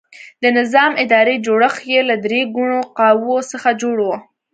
د نظام اداري جوړښت یې له درې ګونو قواوو څخه جوړ و.